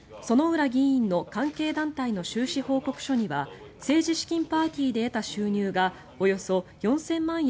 薗浦議員の関係団体の収支報告書には政治資金パーティーで得た収入がおよそ４０００万円